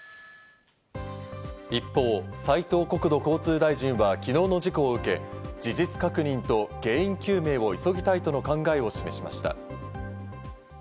一方、斉藤国土交通大臣は昨日の事故を受け、事実確認と原因究明を急ぎたいとの考えを示しました。